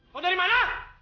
kau dari mana